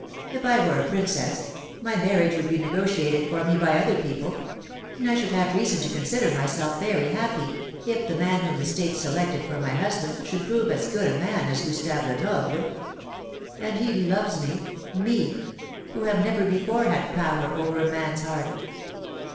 If I were a princess, my marriage would be negotiated for me by other people, and I should have reason to consider myself very happy if the man whom the state selected for my husband should prove as good a man as Gustave Lenoble. And he loves me; me, who have never before had power over a man's heart!"